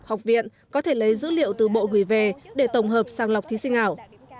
học viện có thể lấy dữ liệu từ bộ gửi về để tổng hợp sàng lọc thí sinh ảo